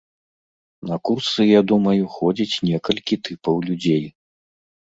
На курсы, я думаю, ходзіць некалькі тыпаў людзей.